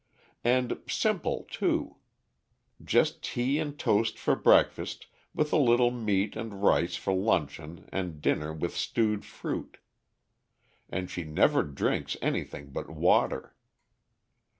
And simple, too. Just tea and toast for breakfast with a little meat and rice for luncheon and dinner with stewed fruit. And she never drinks anything but water.